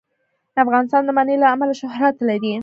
افغانستان د منی له امله شهرت لري.